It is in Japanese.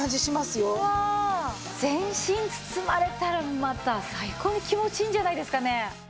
全身包まれたらまた最高に気持ちいいんじゃないですかね。